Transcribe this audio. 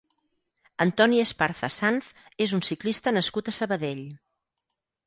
Antoni Esparza Sanz és un ciclista nascut a Sabadell.